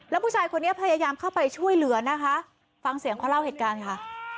แล้วผู้ชายคนนี้พยายามเข้าไปช่วยเหลือนะคะฟังเสียงเขาเล่าเหตุการณ์ค่ะ